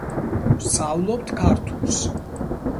ვსწავლობთ ქართულს